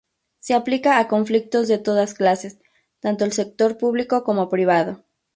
Se aplica a conflictos de todas clases, tanto del sector público como privado.